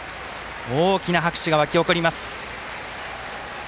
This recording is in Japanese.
大きな拍手が沸き起こります。